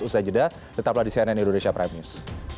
ustaz yeda tetaplah di cnn indonesia prime news